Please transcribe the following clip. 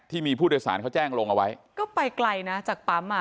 ที่มีผู้โดยสารเขาแจ้งลงเอาไว้ก็ไปไกลนะจากปั๊มอ่ะ